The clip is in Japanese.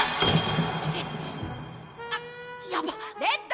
あっやばレッド！